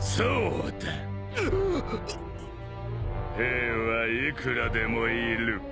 兵はいくらでもいる。